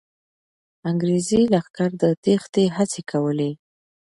انګریزي لښکر د تېښتې هڅې کولې.